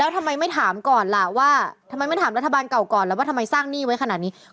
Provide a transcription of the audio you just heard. ทำไมไม่ถามรัฐบาลเก่าก่อนแล้วว่าทำไมสร้างหนี้ไว้ขณะนี้